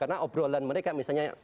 karena obrolan mereka misalnya